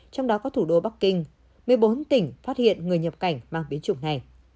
trong đó có thủ đô bắc kinh một mươi bốn tỉnh phát hiện người nhập cảnh mang biến chủng này